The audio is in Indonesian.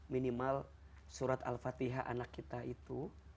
minimal surat al fatihah anak kita itu